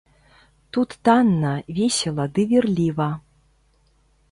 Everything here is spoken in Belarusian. Тут танна, весела ды вірліва.